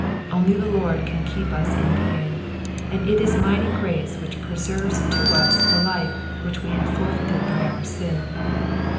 Only the Lord can keep us in being, and. it is mighty grace which preserves to us the life which we have forfeited by our sin.